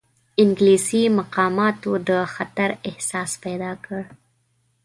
انګلیسي مقاماتو د خطر احساس پیدا کړ.